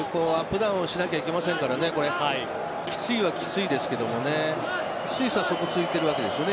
ダウンしなければいけませんからきついはきついですけれどねスイスはそこ突いてるわけですよね。